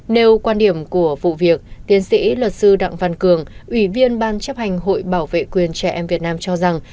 nêu quan điểm của vụ việc tiến sĩ luật sư đặng văn cường ủy viên ban chấp hành hội bảo vệ quyền trẻ em việt nam cho rằng